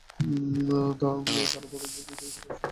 তারা বদর যুদ্ধ থেকে ফিরে আসছেন।